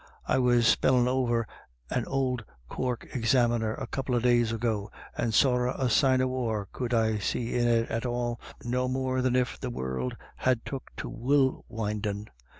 I was spellin' over an ould Cork *Xaminer a couple of days ago, and sorra a sign of a war could I see in it at all, no more than if the warld had took to wool windin'.